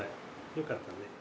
よかったね。